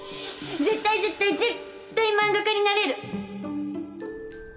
絶対絶対絶対漫画家になれる！